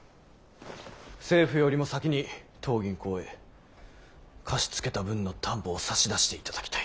政府よりも先に当銀行へ貸し付けた分の担保を差し出していただきたい。